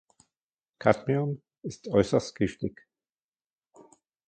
Cadmium ist äußerst giftig.